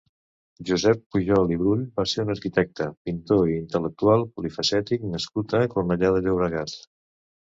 Josep Pujol i Brull va ser un arquitecte, pintor i intel·lectual polifacètic nascut a Cornellà de Llobregat.